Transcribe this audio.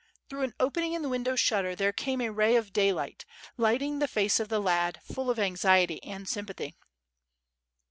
Through an opening in the window shutter there came a ray of daylight, lighting the face of the lad, full of anxiety and sympathy.